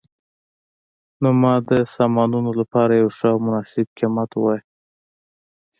نو ما د سامانونو لپاره یو ښه او مناسب قیمت وواایه